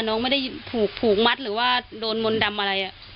น้องไม่ได้ผูกผูกมัดหรือว่าโดนมนต์ดำอะไร